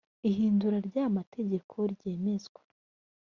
ihindura ry aya mategeko ryemezwa